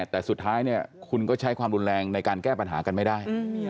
แต่สุดท้ายคุณก็ใช้ความรุนแรงในการแก้ปัญหากันไม่ได้